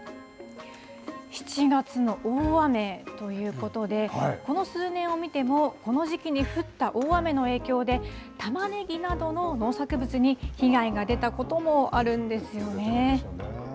７月の大雨ということで、この数年を見ても、この時期に降った大雨の影響で、たまねぎなどの農作物に被害が出たこともあるんですよね。